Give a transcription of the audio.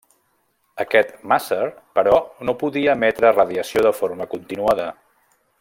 Aquest màser, però, no podia emetre radiació de forma continuada.